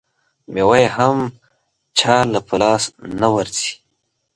مېوه یې هم چا له په لاس نه ورځي.